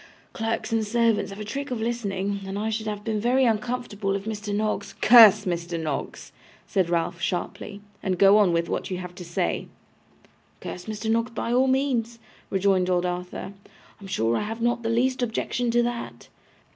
Clerks and servants have a trick of listening, and I should have been very uncomfortable if Mr. Noggs ' 'Curse Mr. Noggs,' said Ralph, sharply, 'and go on with what you have to say.' 'Curse Mr. Noggs, by all means,' rejoined old Arthur; 'I am sure I have not the least objection to that.